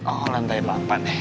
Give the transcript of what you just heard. oh lantai delapan ya